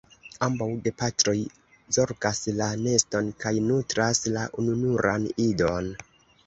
Ambaŭ gepatroj zorgas la neston kaj nutras la ununuran idon.